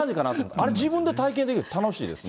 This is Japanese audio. あれ、自分で体験できるって楽しいですね。